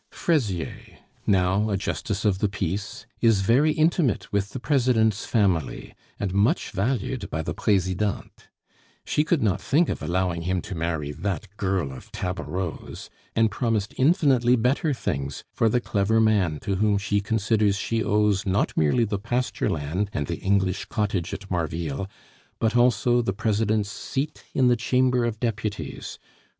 Fraisier, now a justice of the peace, is very intimate with the President's family, and much valued by the Presidente. She could not think of allowing him to marry "that girl of Tabareau's," and promised infinitely better things for the clever man to whom she considers she owes not merely the pasture land and the English cottage at Marville, but also the President's seat in the Chamber of Deputies, for M.